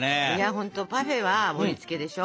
ほんとパフェは盛りつけでしょ？